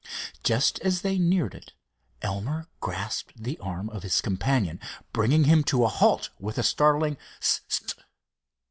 Just as they neared it, Elmer grasped the arm of his companion, bringing him to a halt with a startling: "S—st!"